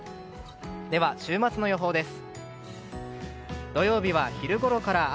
では週末の予報です。